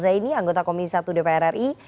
zaini anggota komisi satu dpr ri